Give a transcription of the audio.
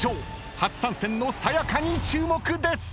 初参戦のさや香に注目です！］